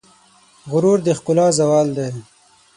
غرور د ښکلا زوال دی.